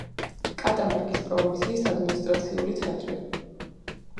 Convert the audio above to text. კატამარკის პროვინციის ადმინისტრაციული ცენტრი.